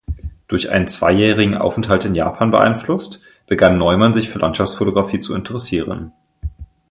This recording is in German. Durch einen zweijährigen Aufenthalt in Japan beeinflusst begann Neumann sich für Landschaftsfotografie zu interessieren.